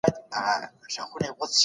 د خوړو مسمومیت په ټوله نړۍ کې شتون لري.